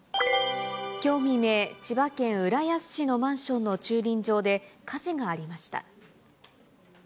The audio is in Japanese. きょう未明、千葉県浦安市のマンションの駐輪場で火事がありました。